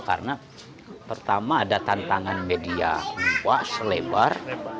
karena pertama ada tantangan media selebar